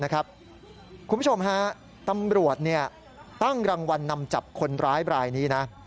คุณผู้ชมฮะตำรวจตั้งรางวัลนำจับคนร้ายบรายนี้นะ